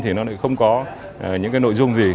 thì nó lại không có những cái nội dung gì